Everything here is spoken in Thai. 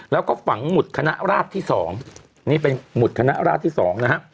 แล้วก็ฝังหมุดคณะราชที่๒นี่เป็นหมุดคณะราชที่๒นะฮะ